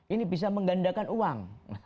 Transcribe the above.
ini bisa menggandakan uang